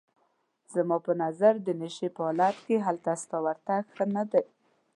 زما په نظر د نشې په حالت کې هلته ستا ورتګ ښه نه دی.